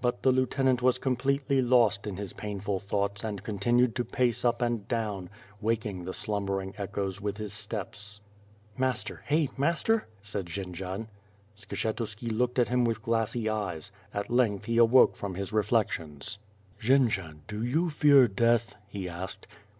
But the lieutenant was completely lost in his painful 1 18 WITH FIRE AND SWORD. thoughts and continued to pace up and down, waking the slumbering echoes with his steps. "Master? Hey, master!" said Jendzian. Skshetuski looked at him with glassy eyes. At length he awoke from his reflections. "Jendzian, do you fear death?" he asked.